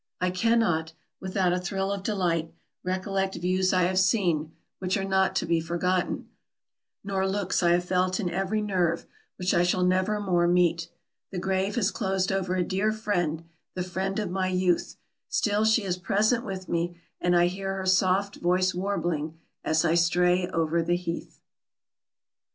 I cannot, without a thrill of delight, recollect views I have seen, which are not to be forgotten, nor looks I have felt in every nerve, which I shall never more meet. The grave has closed over a dear friend, the friend of my youth; still she is present with me, and I hear her soft voice warbling as I stray over the heath." CHAP. IV.